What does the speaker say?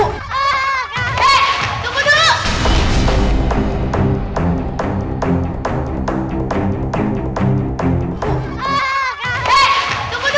eh tunggu dulu